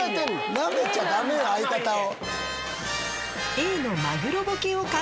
ナメちゃダメよ相方を。